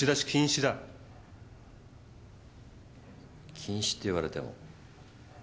禁止って言われても。